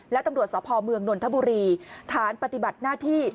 และตำรวจสพเมืองนนทบุรีฐานปฏิบัติหน้าที่